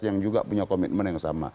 yang juga punya komitmen yang sama